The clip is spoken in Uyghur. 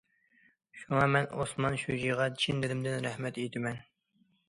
شۇڭا مەن ئوسمان شۇجىغا چىن دىلىمدىن رەھمەت ئېيتىمەن.